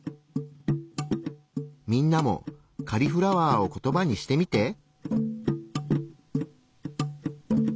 みんなもカリフラワーをコトバにしてみて。